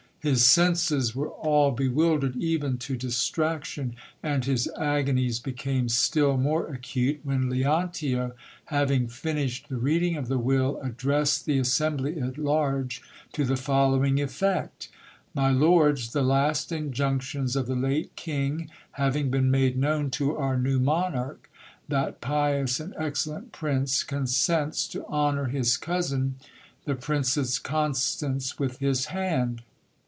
His senses were all be wildered even to distraction ; and his agonies became still more acute, when Leontio, having finished the reading of the will, addressed the assembly at large to the following effect : My lords, the last injunctions of the late king having been made known to our new monarch, that pious and excellent prince consents to honour his cousin the Princess Constance with his hand.